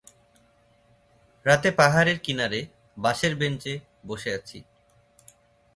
রাতে পাহাড়ের কিনারে বাশের বেঞ্চে বসে আছি।